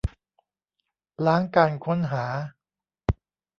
ล้างการค้นหา